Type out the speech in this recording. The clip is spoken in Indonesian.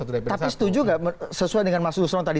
tapi setuju gak sesuai dengan mas nusra tadi